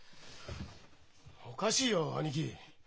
おかしいよ兄貴！